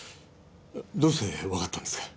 どうしてわかったんですか？